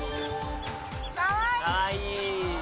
かわいい。